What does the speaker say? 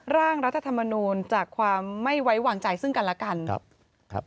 ร่างรัฐธรรมนูลจากความไม่ไว้วางใจซึ่งกันและกัน